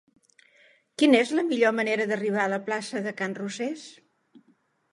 Quina és la millor manera d'arribar a la plaça de Can Rosés?